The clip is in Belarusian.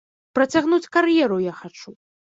Працягнуць кар'еру я хачу.